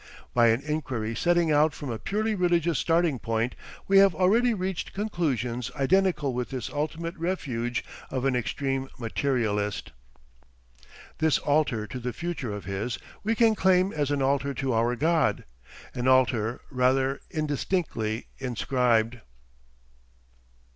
By an inquiry setting out from a purely religious starting point we have already reached conclusions identical with this ultimate refuge of an extreme materialist. This altar to the Future of his, we can claim as an altar to our God an altar rather indistinctly inscribed.